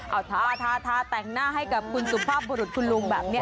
เอาทาทาแต่งหน้าให้กับคุณสุภาพบุรุษคุณลุงแบบนี้